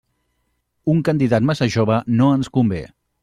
Un candidat massa jove no ens convé.